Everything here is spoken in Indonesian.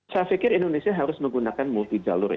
saya pikir indonesia harus menggunakan multi jalur ya